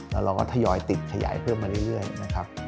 แล้วเราก็ทยอยติดขยายเพิ่มมาเรื่อยนะครับ